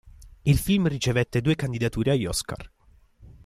Il film ricevette due candidature agli Oscar.